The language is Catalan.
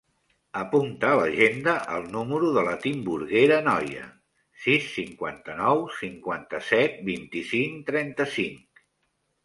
Apunta a l'agenda el número de la Timburguera Noya: sis, cinquanta-nou, cinquanta-set, vint-i-cinc, trenta-cinc.